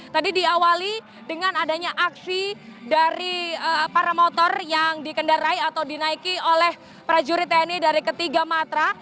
tadi diawali dengan adanya aksi dari para motor yang dikendarai atau dinaiki oleh prajurit tni dari ketiga matra